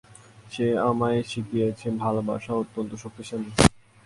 সে আমায় শিখিয়েছে, ভালোবাসা অত্যন্ত শক্তিশালী।